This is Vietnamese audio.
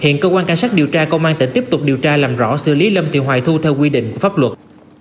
hiện cơ quan cảnh sát điều tra công an tỉnh tiếp tục điều tra làm rõ xử lý lâm thị hoài thu theo quy định của pháp luật